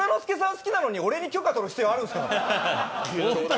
好きなのに俺に許可とる必要あるんですか。